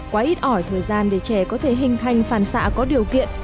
quá ít ỏi thời gian để trẻ có thể hình thành phản xạ có điều kiện